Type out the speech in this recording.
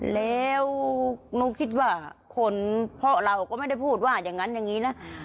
แล้วหนูคิดว่าคนเพราะเราก็ไม่ได้พูดว่าอย่างนั้นอย่างนี้นะ